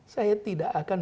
saya tidak akan